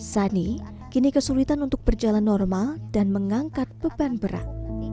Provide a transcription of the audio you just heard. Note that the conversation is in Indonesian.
sani kini kesulitan untuk berjalan normal dan mengangkat beban berat